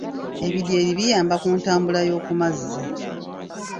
Ebidyeri biyamba ku ntambula yo kumazzi.